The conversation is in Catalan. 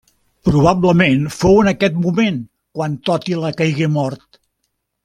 Probablement fou en aquest moment quan Tòtila caigué mort.